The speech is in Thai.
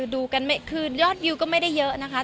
ดูกันคือยอดวิวก็ไม่ได้เยอะนะคะ